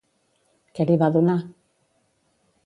Què li va donar?